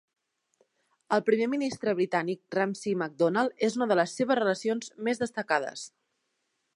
El primer ministre britànic Ramsay MacDonald és una de les seves relacions més destacades.